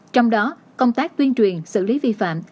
trong đó công tác tuyên truyền xử lý vi phạm